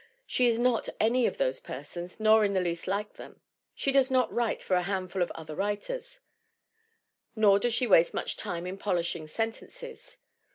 She is not any of those persons, nor in the least like them. She does not write for a handful of other writers, nor does she waste much time in polishing sentences.